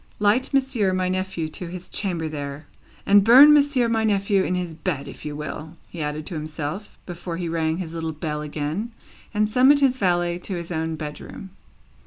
Light Monsieur my nephew to his chamber there! And burn Monsieur my nephew in his bed, if you will," he added to himself, before he rang his little bell again, and summoned his valet to his own bedroom.